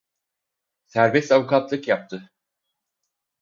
Serbest avukatlık yaptı.